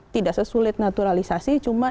tidak sesulit naturalisasi cuma